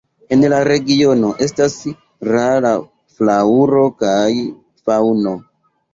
En la regiono estas rara flaŭro kaj faŭno.